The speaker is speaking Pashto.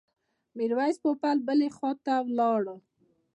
میرویس پوپل بلې خواته ولاړ.